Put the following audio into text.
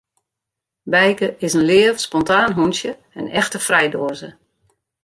Bijke is in leaf, spontaan hûntsje, in echte frijdoaze.